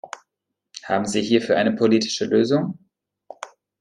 Haben Sie hierfür eine politische Lösung?